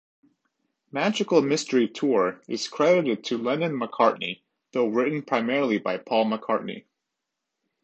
"Magical Mystery Tour" is credited to Lennon-McCartney, though written primarily by Paul McCartney.